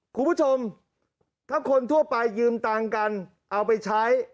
คุณผู้ชมถ้าคนทั่วไปยืมตังค์กันเอาไปใช้